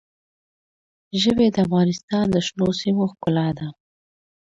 ژبې د افغانستان د شنو سیمو ښکلا ده.